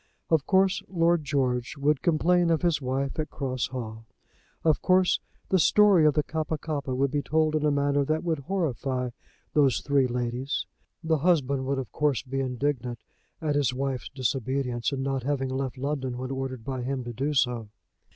Of course Lord George would complain of his wife at Cross Hall. Of course the story of the Kappa kappa would be told in a manner that would horrify those three ladies. The husband would of course be indignant at his wife's disobedience in not having left London when ordered by him to do so.